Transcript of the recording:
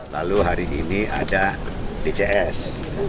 lalu hari ini ada dcs